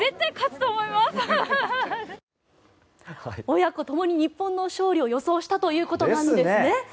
親子ともに日本の勝利を予想したということなんですね。